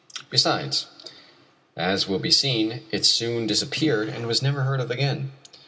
Besides, as will be seen, it soon disappeared and was never heard of again.